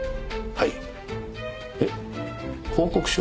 はい。